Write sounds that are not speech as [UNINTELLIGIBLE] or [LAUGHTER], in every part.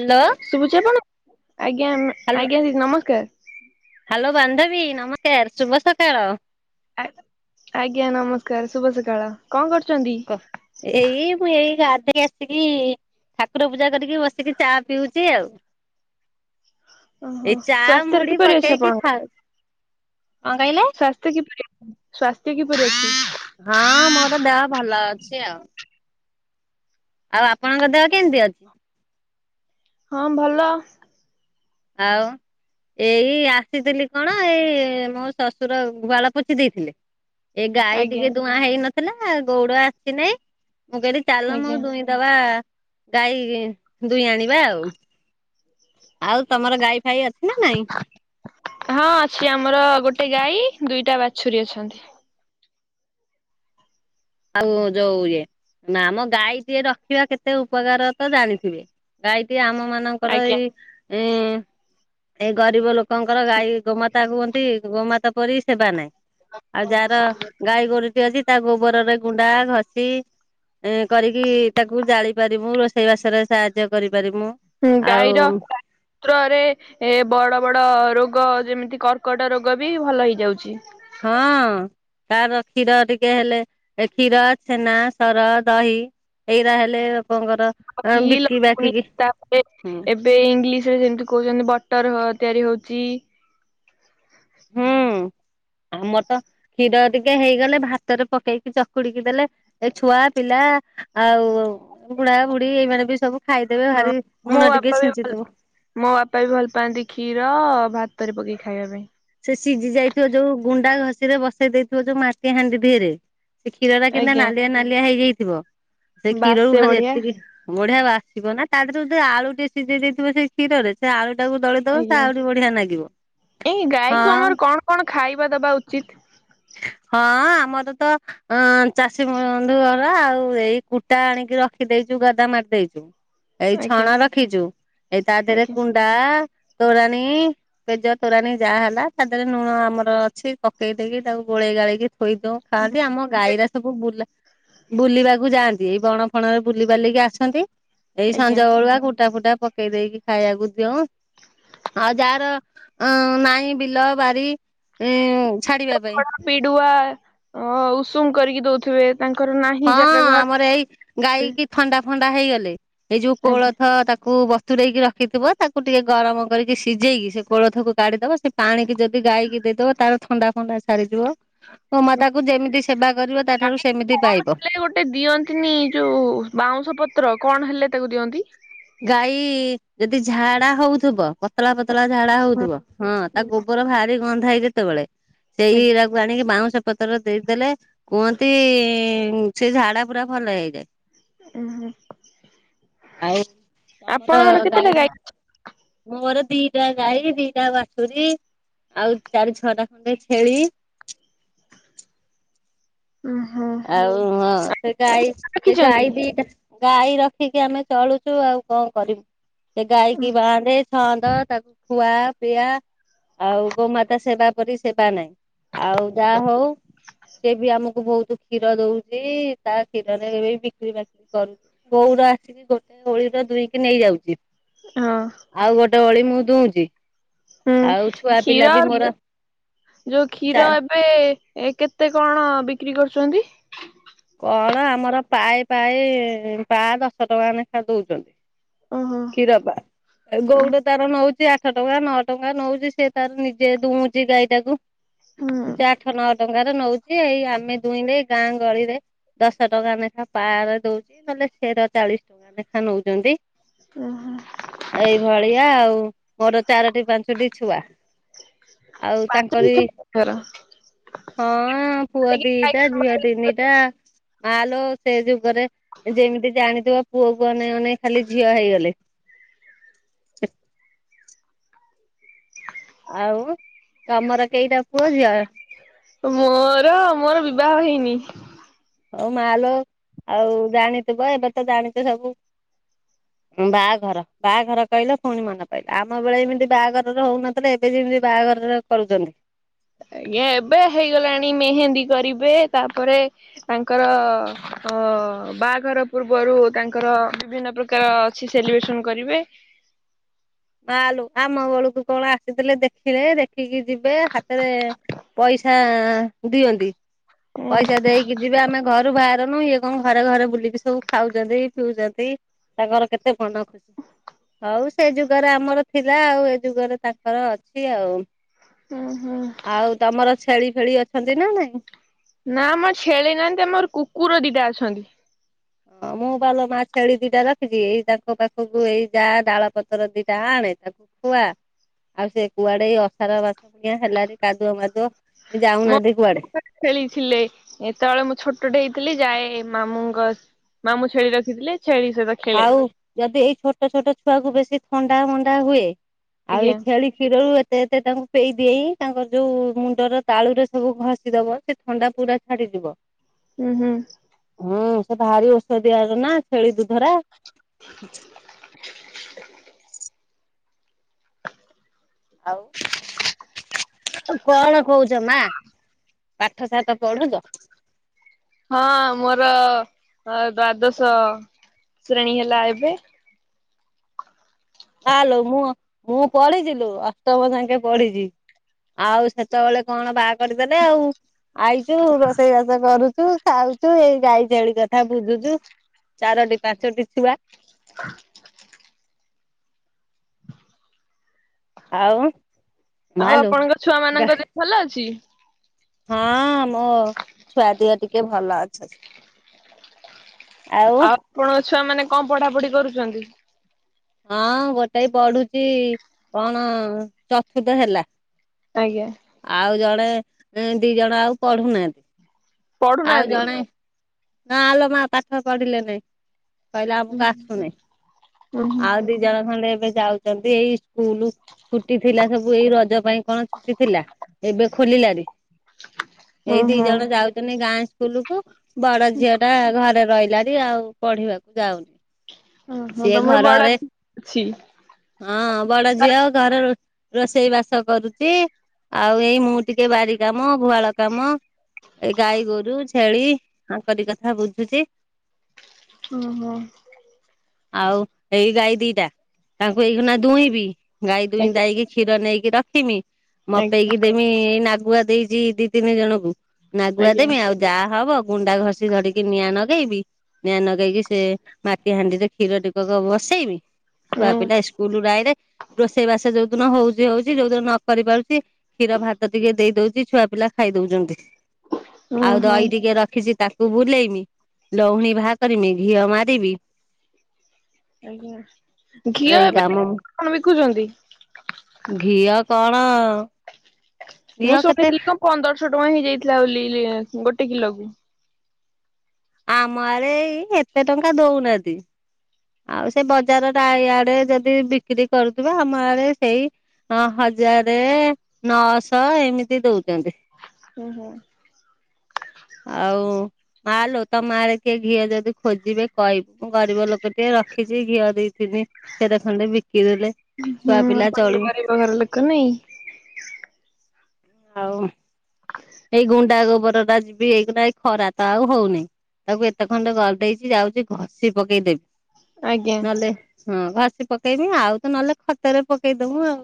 Hello. [INAUDIBLE] ଦିଦି ନମସ୍କାର। Hello ବାନ୍ଧବୀ, ନମସ୍କାର୍, ଶୁଭ ସକାଳ। ଆଜ୍ଞା ନମସ୍କାର୍, ଶୁଭ ସକାଳ। କରୁଛନ୍ତି? [INAUDIBLE] ଠାକୁର ପୂଜା କରିକି, ବସିକି ଚା ପିଉଚି ଆଉ। ଏଇ ଚା ସ୍ୱାସ୍ଥ୍ୟରେ ମୁଢି କିପରି ଅଛି ପକେଇକି ଆପଣ? ଖାଉ କଣ କହିଲେ [UNINTELLIGIBLE] ହଁ, ମୋର ଦେହ ଭଲ ଅଛି ଆଉ। ଆଉ ଆପଣଙ୍କ ଦେହ କେ ହଁ, ଭଲ। ଆଉ। ଏଇ ଆସିଥିଲି କ'ଣ, ଏଇ ମୋ ଶଶୁର ଗୁ--ଳ ପୁଛି ଦେଇଥିଲେ। ଏ ଗାଈ ଆଜ୍ଞା ଟିକେ ଦୂଆଁ ହେଇ ନଥିଲା, ଗଉଡ଼ ଆସି ନାଇଁ। ମୁଁ କହିଲି ଚାଲ ଆଜ୍ଞା ମୁଁ ଦବା, ଗାଈ ଦୁଇ ଆଣିବା ଆଉ। ଆଉ ତମର ଗାଈ ଫାଇ ଅଛି ନା ନାଇଁ? ହଁ, ଅଛି ଆମର ଗୋଟେ ଗାଈ ଦୁଇଟା ବାଛୁରୀ ଅଛନ୍ତି। ଆଉ ଯଉ ଇଏ। ନାମ ଗାଈ ଟିଏ ରଖିବା କେତେ ଉପକାର ତ ଜାଣିଥିବେ। ଗାଈ ଟିଏ ଆମ ମା ଙ୍କର, ଆଜ୍ଞା ଏଇ ଗରିବ ଲୋକଙ୍କର ଗାଈ ଗୋମାତା ହୁଅନ୍ତି। ଗୋମାତା ପରି ସେବା ନାଇଁ, ଆଉ ଯାଆର ଗାଈ ଗୋରୁ ଟେ ଅଛି। ତା ଗୋବରରେ କୁଣ୍ଡା, ଘସି। କରିକି ତାକୁ ଜାଳି ପାରି, ରୋଷେଇ ବାସରେ ସାହାଯ୍ୟ କରି ପାରିମୁଁ। [INAUDIBLE] ତ୍ରରେ ଏ ବଡ଼ ବଡ଼ ରୋଗ, ଯେମିତି କର୍କଟ ରୋଗ ବି ଭଲ ହେଇ ଯାଉଚି। ହଁ! ତା'ର କ୍ଷୀର ଟିକେ ହେଲେ, ଏ କ୍ଷୀର, ଛେନା, ସର, ଦହି। ଏଇରା ହେଲେ ଆଉ ଇ ବିକି ଲଗୁନି ବାକିକି। ତାପରେ ଏବେ ଇଂଲିଶରେ ଯେମତି କହୁଛନ୍ତି ବଟର ହ ତିଆରି ହଉଚି। ହୁଁ ଆମର ତ କ୍ଷୀର ଟିକେ ହେଇଗଲେ ଭାତରେ ପକେଇକି ଚକୁଡିକି ଦେଲେ ଏ ଛୁଆ ପିଲା ଆଉ ବୁଢା ବୁଢୀ ଏଇମାନେ ବି ସବୁ ଖାଇଦେବେ ହଁ ଭାରି ମୋ ଲୁଣ ଟିକେ ବାପା ବି ଭଲ ଛିଞ୍ଚିଦେଲେ। ମୋ ବାପା ବି ଭଲ ପାଆନ୍ତି କ୍ଷୀର ଭାତରେ ପକେଇକି ଖାଇବା ପାଇଁ। ସେ ସିଝି ଯାଇଥିବ ଯୋଉ ଗୁଣ୍ଡା ଘଷିରେ ବସେଇ ଦେଇଥିବ ଯୋଉ ମାଟି ହାଣ୍ଡି ଧିଅରେ। ସେ କ୍ଷୀରଟା କେଏତା ଆଜ୍ଞା ନାଲିଆ ନାଲିଆ ହେଇଯାଇଥିବ ସେ ବାସେ କ୍ଷୀରରୁ ବଢିଆ ଏତିକି ବଢିଆ ଆସିବ ନା ତା ଦେହରେ ଯୋଉ ଆଳୁଟିକେ ସିଝେଇ ଦେଇଥିବ ସେଇ କ୍ଷୀରରେ ସେ ଆଳୁ ଟାକୁ ଦଳି ତ ସେ ଆହୁରି ବଢିଆ ନାଗିବ। ଏ ଗାଈକୁ ହଁ ଆମର କଣ କଣ ଖାଇବା ଦବା ଉଚିତ୍? ହଁ ଆମର ତ ଅଁ ଚାଷୀ ବଧୁ ଘର ଆଉ ଏଇ କୁଟା ଆଣିକି ରଖିଦେଇଛୁ ଗଦା ମାରି ଦେଇଛୁ। ଏଇ ଆଜ୍ଞା ଛଣା ରଖିଛୁ ଏଇ ତା ଦେହରେ ଆଜ୍ଞା। କୁଣ୍ଡା ତୋରାଣୀ ପେଜ ତୋରାଣୀ ଯାହା ହେଲା ତା ଦେହରେ ଲୁଣ ଆମର ଅଛି ପକେଇ ଦେଇକି ତାକୁ ଗୋଳେଇ ଗାଳେଇକି ଥୋଇ ଦଉ ଖାଆନ୍ତି ଆମ ଗାଈରା ସବୁ ବୁଲା ବୁଲିବାକୁ ଯାଆନ୍ତି ଏଇ ବଣ ଫଣରେ ବୁଲିିବାଲିକି ଆସନ୍ତି ଏଇ ସଞ୍ଜ ଆଜ୍ଞା ବଳୁଆ କୁଟା ଫୁଟା ପକେଇ ଦେଇକି ଖାଇବାକୁ ଦିଉ ଆଉ ଯାହାର ଅ ନହିଁ ବିଲ ବାରି ଉୁଁ ଛାଡିବା ପାଇଁ। ଚୋକଡ଼ ପିଡୁଆ ଅ ଉଷୁମ କରିକି ଦଉଥିବେ। ତାଙ୍କର ନାହିଁ ହଁ ଜାଗା ଘରେ ଆମର ଏଇ ଗାଈ କିି ଥଣ୍ଡା ଫଣ୍ଡା ହେଇଗଲେ ଏଇ ଯଉ ଆଜ୍ଞା। କୋଳଥ ତାକୁ ବ ତୁରେଇକି ରଖିଥିବ ତାକୁ ଟିକେ ଗରମ କରିକି ସିଝେଇକି ସେ କୋଳଥକୁ କାଢିଦେବ ସେ ପାଣିିକି ଯଦି ଯଦି ଗାଈକି ଦେଇଦବ ତାର ଥଣ୍ଡା ଫଣ୍ଡା ଛାଡ଼ିଯିବ। ଗୋମାତାକୁ ଯେମିତି ସେବା କରିବ ତାଠାରୁ ସେମିତି ପାଇବ। ହେଲେ ଗୋଟେ ଦିଅନ୍ତିନି ଯୋଉ ବାଉଁଶ ପତ୍ର କଣ ହେଲେ ତାକୁ ଦିଅନ୍ତି? ଗାଈ ଯଦି ଝାଡା ହଉଥିବ ପତଳା ପତଳା ଝାଡା ହଉଥିବ ହଁ ତାକୁ ଗୋବର ଭାରି ଗନ୍ଧାଏ ଯେତେବେଳେ ସେଇ ଏଡ଼ାକୁ ଆଣିକି ବାଉଁଶ ପତ୍ର ଦେଇଦେଲେ କୁହନ୍ତି ସେ ଝାଡା ପୁରା ଭଲ ହେଇଯାଏ। ଆଉ ଆପଣଙ୍କର କେତେଟା ଗାଈ? ମୋର ଦିଟା ଗାଈ ଦିଟା ବାଛୁରୀ। ଆଉ ଚାରି ଛଅଟା ଖଣ୍ଡେ ଛେଳି। ଓହୋ। ଆଉ ହଁ ସେ ଗାଈ ସେ ରଖିଛନ୍ତି? ଗାଈ ଦିଇଟା ଗାଈ ରଖିକି ଆମେ ଚଳୁଛୁ ଆଉ କଣ କରିବୁ ସେ ଗାଈ କି ବାନ୍ଧେ ହଁ ତାକୁ ଖୁଆ ପିଆ ଆଉ ଗୋମାତା ସେବା ପରି ସେବା ନାହିଁ। ଆଉ ଯାହା ହଉ ସେ ବି ଆମକୁ ବହୁତ କ୍ଷୀର ଦଉଛି ତା କ୍ଷୀରରେ ବି ବିକ୍ରି ବାକି କରୁ ଗଉର ଆସିକି ଗୋଟେ ଗୋଳିର ଦୁହିଁକି ନେଇ ଯାଉଛି ହଁ। ଆଉ ଗୋଟେ ଓଳି ମୁଁ ଦୁହୁଁଛି। ହୁଁ କ୍ଷୀର ଯୋଉ ଚା କ୍ଷୀର ଏ ଏବେ କେତେ କଣ ବିକ୍ରି କରୁଛନ୍ତି? କଣ ଆମର ପାଏ ପାଏ ପା ଦଶ ଟଙ୍କା ଲେଖା ଦଉଛନ୍ତି। ଓହୋ। କ୍ଷୀରପା ଗଉଡ ତାର ନଉଛି ଆଠ ଟଙ୍କା ନଅ ଟଙ୍କା ନଉଛି ସେ ତାର ନିଜେ ଦୁହୁଁଛି ଗାଈଟାକୁ। ହୁଁ ସେ ଆଠ ନଅ ଟଙ୍କାରେ ନଉଛି ଏଇ ଆମେ ଦୁହିଁଲେ ଗାଁ ଗହଳିରେ ଦଶ ଟଙ୍କା ଲେଖା ପାରେ ଦଉଛି ନହେଲେ ସେର ଚାଳିଶ ଟଙ୍କା ଲେଖା ନଉଛନ୍ତି। ଅହ। ଏଇଭଳିଆ ଆଉ ମୋର ଚାରଟି ପାଞ୍ଚ ଦିଇଟି ଛୁଆ ଆଉ ପାଞ୍ଚ ତାଙ୍କରି ଲିଟର ହଁ ପୁଅ ଦିଇଟା ଝିଅ ଦିଇତିନି ସେଟା ମାଆଲୋ ସେ ଯୁଗରେ ଯେମିତି ଜାଣିଥିବ। ପୁଅ କୁ ଅନେଇ ଅନେଇ ଖାଲି ଝିଅ ହେଇଗଲେ। ଆଉ ତମର କେଇଟା ପୁଅ ଝିଅ? ମୋର ମୋର ବିବାହ ହେଇନି। ହଉ ମାଲୋ ଆଉ ଜାଣିଥିବ ଏବେ ତ ଜାଣିଚ ସବୁ ବାହାଘର ବାହାଘର କହିଲ ପୁଣି ମନେ ପାଇଲା ଆମ ବେଳେ ଏମିତି ବାହାଘରରେ ହଉନଥିଲେ ଏବେ ଯେମିତି ବାହାଘରରେ କରୁଚନ୍ତି। ଆଜ୍ଞା ଏବେ ହେଇଗଲାଣି ମେହେନ୍ଦୀ କରିବେ ତାପରେ ତାଙ୍କର ଅ ବାହାଘର ପୂର୍ବରୁ ତାଙ୍କର ବିଭିନ୍ନ ପ୍ରକାର ତ ଅଛି ସେଲିବ୍ରେସନ୍ କରିବେ। ମାଆଲୋ ଆମ ବେଳକୁ କଣ ଆସିଥିଲେ ଦେଖିବେ ଦେଖିକି ଯିବେ ହାତରେ ପଇସା ଦିଅନ୍ତି ହୁଁ। ପଇସା ଦେଇକି ଯିବେ ଆମେ ଘରୁ ବାହାରାରୁନୁ ଇଏ କଣ ଘରେ ଘରେ ବୁଲିକି ସବୁ ଖାଉଚନ୍ତି ପିଉଚନ୍ତି। ତାଙ୍କର କେତେ ମନ ଖୁସି ହଉ ସେ ଖୁ ସେ ଯୁଗରେ ଆମର ଥିଲା ଆଉ ଏ ଯୁଗରେ ତାଙ୍କର ଅଛି ଆଉ। ହଁ ହଁ। ଆଉ ତମର ଛେଳି ଫେଳି ଅଛନ୍ତି ନା ନାଇଁ? ନାମ ଆମର ଛେଳି ନାହାନ୍ତି ଆମର କୁକୁର ଦିଟା ଅଛନ୍ତି। ହଁ ମୁଁ ପାଲୋ ମା ଛେଳି ଦିଟା ରଖିଛି ଏଇ ତାଙ୍କ ପାଖକୁ ଏଇ ଯାହା ଡାଳ ପତ୍ରର ଦିଟା ଆଣେ ତାକୁ କୁଆ ଆଉ ସେ କୁଆଡେ ଅସାର ମାସ ପୁଣିଆ ହେଲାଣି କାଦୁଅ ମାଦୁଅ ସେ ମୋ ଯାଉନାହାନ୍ତି କୁଆଡେ। ଖେଳିଥିଲେ ଏତେବେଳେ ମୁଁ ଛୋଟଟେ ହେଇଥିଲି ଯାଏ ମାମୁଁଙ୍କ ମାମୁ ଛେଳି ରଖିଥିଲେ ଛେଳି ସେ ଆଉ ଯଦି ଏଇ ଛୋଟ ଛୋଟ ଛୁଆକୁ ବେଶୀ ଥଣ୍ଡା ମଣ୍ଡା ହୁଏ ଆଉ ଆଜ୍ଞା ଏଇ ଛେଳି କ୍ଷୀରରୁ ଏତେ ଏତେ ତାଙ୍କୁ ପେଇ ଦେଏଇଁ ତାଙ୍କର ଯୋଉ ମୁଣ୍ଡର ତାଳୁରେ ସବୁ ଘଷିଦବ। ଥଣ୍ଡା ପୁରା ଛାଡିଯିବ। ହୁଁ ହୁଁ। ହୁଁ ସେ ଭାରି ଔଷଧି ଦିଆରେ ନା ଛେଳି ଦୁଧ ରେ। ଆଉ କଣ କହୁଚ ମା? ପାଠ ସାଠ ପଢୁଚ? ହଁ ମୋର ଦ୍ଵାଦଶ ଶ୍ରେଣୀ ହେଲା ଏବେ। ମାଆଲୋ ମୁହ ମୁଁ ପଢିଚି ଲୋ ଅଷ୍ଟମ ଯାଙ୍କେ ପଢିଛି ଆଉ ସେତେବେଳେ କଣ ବା କରିଦେଲେ ଆଉ ଆଇଚୁ ରୋଷେଇବାସ କରୁଚୁ। ଖାଉଚୁ ଏଇ ଗାଈ ଛେଳି କଥା ବୁଝୁଚୁ ଚାରୋଟି ପାଞ୍ଚଟି ଛୁଆ। ଆ ଆଉ। ଆଉ ମାଲୋ ଆପଣଙ୍କ ଛୁଆ ଗା ମାନଙ୍କ ଦେହ ଭଲ ଅଛି? ହଁ ମୋ ଛୁଆଦିହ ଟିକେ ଭଲ ଅଛନ୍ତି। ଆଉ ଆପଣଙ୍କ ଛୁଆ ମାନେ କଣ ପଢା ପଢି କରୁଚନ୍ତି? ହଁ ଗୋଟାଇ ପଢୁଚି କଣ ଚତୁର୍ଥ ହେଲା। ଆଜ୍ଞା। ଆଉ ଜଣେ ଦିଇ ଜଣ ଆଉ ପଢୁନାହାନ୍ତି। ଆଉ ପଢୁନାହାନ୍ତି ଜଣେ ନା ଆଲୋ ମା ପାଠ ପଢିଲେ ନେଇଁ। କହିଲେ ଉଁ ଆମକୁ ଆସୁନି। ହୁଁ ଆଉ ଦିଇ ଜଣ ଖଣ୍ଡେ ଏବେ ଯାଉଚନ୍ତି ଏଇ ସ୍କୁଲ ଛୁଟି ଥିଲା ସବୁ ଏଇ ରଜ ପାଇଁ କଣ ଛୁଟି ଥିଲା ଏବେ ଖୋଲିଲାରି। ଉଁ ଏଇ ଦି ହୁଁ ଜଣ ଯାଉଛନ୍ତି ଗାଁ ଇସ୍କୁଲ୍ କୁ। ବଡ ଝିଅ ଟା ଘରେ ରହିଲା ଦି ଆଉ ପଢିବାକୁ ଯାଉନି। ଓହ ତମ୍ ଘର ଆଡେ ହଁ ବଡ ଝିଅ ଘରେ ରୋ ରୋଷେଇ ବାସ କରୁଛି। ଆଉ ଏଇ ମୁଁ ଟିକେ ବାରି କାମ ଗୁହାଳ କାମ ଏ ଗାଈ ଗୋରୁ ଛେଳି ୟାଙ୍କରି କଥା ବୁଝୁଚି। ଓଃ। ଆଉ ଏଇ ଗାଈ ଦିଟା ତାଙ୍କୁ ଏଇକିନା ଦୁଇଁ ବିି। ଗାଈ ଦୁଇଁ ଆଜ୍ଞା ଦାଇଁ କି କ୍ଷୀର ନେଇକି ରଖିମି। ଆଜ୍ଞା ମତେଇକି ଦେମି ଏଇ ନାଗୁଆ ଦେଇଛି ଦି ତିନି ଜଣଙ୍କୁ। ନାଗୁଆ ଆଜ୍ଞା ଦେମି ଆଉ ଯାହା ହବ ଗୁଣ୍ଡା ଘଷି ଧରିକି ନିଆଁ ନଗେଇବି। ନିଆଁ ଲଗେଇକି ସେ ମାଟି ହାଣ୍ଡିରେ କ୍ଷୀର ଟିକକ ବସେଇବି ଛୁଆ ହୁଁ ପିଲା ସ୍କୁଲୁରୁ ଆଇଲେ ରୋଷେଇବାସ ଯୋଉ ଦିନ ହଉଛି ହଉଛି। ଯୋଉ ଦିନ ନ କରି ପାରୁଛି, କ୍ଷୀର ଭାତ ଟିକେ ଦେଇ ଦଉଛି ଛୁଆ ପିଲା ଖାଇ ଦଉଛନ୍ତି। ହୁଁ ଆଉ ହୁଁ ଦହି ଟିକେ ରଖିଛି ତାକୁ କୁ ବୁଲେଇମି ଲହୁଣୀ ବାହା କରିମି ଘିଅ ମାରିବି। ଆଜ୍ଞା। ଘିଅ ଏଇ ଏବେ କାମ କଣ ବିକୁଛନ୍ତି? ଘିଅ କଣ ମୁଁ ଘିଅ କେତେ ଶୁଣିଥିଲି କଣ ପନ୍ଦରଶହ ଟଙ୍କା ହେଇଯାଇଥିଲା ବୋଲି ଗୋଟେ କିଲୋ କୁ? ଆମ ଆଡ଼େ ଏଇ ଏତେ ଟଙ୍କା ଦଉନାହାନ୍ତି। ଆଉ ସେ ବଜାର ଇଆଡେ ଯଦି ବିକ୍ରି କରୁଥିବେ। ଆମ ଆଡେ ସେଇ ହଁ ହଜାରେ ନଅଶ ଏମିତି ଦଉଛନ୍ତି। ଓହୋ। ଆଉ ମାଲୋ ତମ ଆଡ଼େ କିଏ ଘିଅ ଯଦି ଖୋଜିବେ କହିବୁ। ମୁଁ ଗରିବ ଲୋକ ଟିକେ ରଖିଛି ଘିଅ ଦି ତିନି ସେର ଖଣ୍ଡେ ବିକିଦେଲେ ଛୁଆ ପିଲା ଚଳିବୁ। ତାର ଲୋକ ନାହିଁ ଆଉ ଏଇ ଗୁଣ୍ଡା ଗୋବର ଟା ଯିବି ଏଇଗ ଏଇ ଖରା ତ ଆଉ ହଉନି। ତାକୁ ଏତେ ଖଣ୍ଡେ ଗଦେଇଛି ଯାଉଛି ଘଷି ପକେଇଦେବି। ଆଜ୍ଞା। ନହେଲେ ହଁ ଘଷି ପକେଇବି ଆଉ ତ ନହେଲେ ଖତରେ ପକେଇଦବୁ ଆଉ।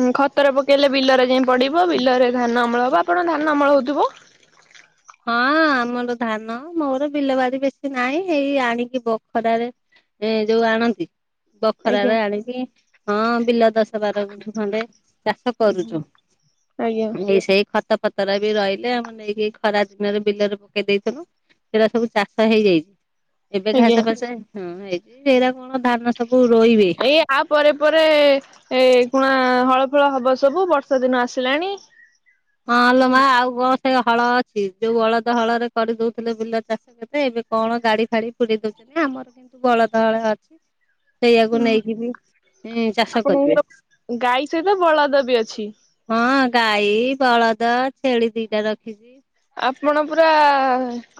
ହଁ ଖତର ପକେଇଲେ ବିଲରେ ଯାଇ ପଡିବ। ବିଲରେ ଧାନ ଅମଳ ହବ ଆପଣ ଧାନ ଅମଳ ହଉଥିବ? ହଁ ଆମର ଧାନ ମୋର ବିଲବାଡି ବେଶୀ ନାହିଁ। ହେଇ ଆଣିକି ବଖରାରେ ଏଁ ଯୋଉ ଆଣନ୍ତି। ଆଜ୍ଞା ବଖରାରେ ଆଣିକି ହଁ ବିଲ ଦଶ ବାର ଗୁଣ୍ଠୁ ଖଣ୍ଡେ ଚାଷ କରୁଛୁ। ଆଜ୍ଞା ଏ ସେଇ ଖତ ଫତର ବି ରହିଲେ ଆମେ ନେଇକି ଖରା ଦିନରେ ବିଲରେ ପକେଇ ଦେଇଥଥିଲୁ ସେଟା ସବୁ ଚାଷ ହେଇଯାଇଛି ଏବେ ଆଜ୍ଞା ଘାସ ଫାସ ହଁ ହେଇଛି ଏଇରା କଣ ଧାନ ସବୁ ରୋଇବେ? ଏଇ ଆ ପରେ ପରେ ଏ କୁଣା ହଳ ଫଳ ହବ ସବୁ ବର୍ଷା ଦିନ ଆସିଲାଣି। ହଁ ଲୋ ମା ଆଉ କଣ ସେ ହଳ ଅଛି। ଯୋଉ ବଳଦ ହଳରେ କରିଦଉଥିଲେ ବିଲା ଚାଷ ଏବେ କଣ ଗାଡି ଫାଡି ଫୁରି ଦଉଛନ୍ତି ଆମର କିନ୍ତୁ ବଳଦ ହଳେ ଅଛି। ସେଇଆକୁ ନେଇକି ବି ଚାଷ ଇ କରିବେ। ଆପଣଙ୍କର ଗାଈ ସହିତ ବଳଦ ବି ଅଛି। ହଁ ଗାଈ ବଳଦ ଛେଳି ଦିଟା ରଖିଛି। ଆପଣ ପୁରା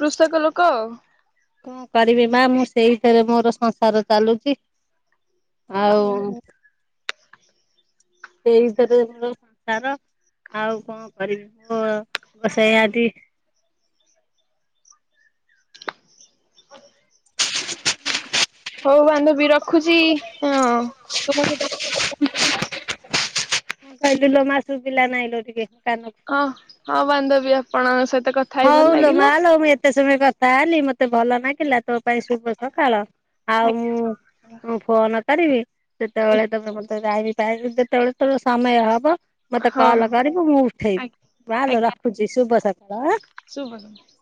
କୃଷକ ଲୋକ। କଣ କରିବି ମା ମୁଁ ସେଇଥିରେ ମୋର ସଂସାର ଚାଲୁଛି। ଆଉ ଉଁ ହୁଁ। ସେଇ ଥିରେ ସଂସାର। ଆଉ କଣ କରିବି ମୋ ସେଆଟି ହଉ ବାନ୍ଧବୀ ରଖୁଛି ହଁ ତୁମ ସହିତ ହ କହିଲୁ ଲୋମାସୁ ପିଲା ନାଇଁଲ ଟିକେ କାନ ହଁ ହଁ ବାନ୍ଧବୀ ଆପଣଙ୍କ ସହିତ କଥା ହେଇ ଭଲ ହଉଲୋ ଲାଗିଲା। ମାଲୋ ମୁଁ ଏତେ ସମୟ କଥା ହେଲି ମତେ ଭଲ ନାଗିଲା। ତୋ ପାଇଁ ଶୁଭ ସକାଳ ଆଉ ମୁଁ ମୁଁ ଫୋନ କରିବି ସେତେବେଳେ ତ ମତେ ଯାଇବିି ଯେତେବେଳେ ତୋର ସମୟ ହବ। ମତେ ହଉ କଲ କରିବୁ ମୁଁ ଉଠେଇବି ଆଜ୍ଞା ମାଲୋ ଆଜ୍ଞା ରଖୁଛି ଶୁଭ ସକାଳ ଆଁ। ଶୁଭ ସକାଳ।